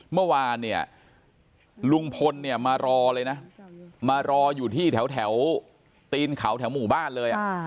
เมื่อวานเนี่ยลุงพลเนี่ยมารอเลยนะมารออยู่ที่แถวตีนเขาแถวหมู่บ้านเลย